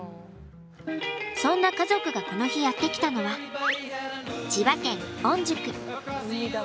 そんな家族がこの日やって来たのは千葉県御宿。